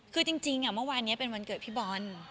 คือจริงเมื่อวานนี้เป็นวันเกิดพี่บอล